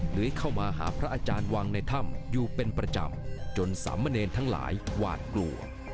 หรือเข้ามาหาพระอาจารย์วางในถ้ำอยู่เป็นประจำจนสามเณรทั้งหลายหวาดกลัว